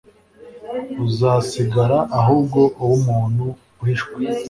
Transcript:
uzasigara ahubwo ube umuntu uhishwe